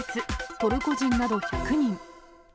トルコ人など１００人。